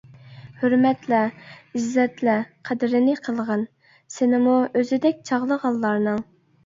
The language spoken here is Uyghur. ھۆرمەتلە، ئىززەتلە، قەدرىنى قىلغىن، سېنىمۇ ئۆزىدەك چاغلىغانلارنىڭ.